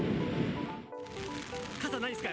傘ないですか？